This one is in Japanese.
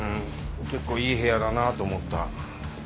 結構いい部屋だなと思った。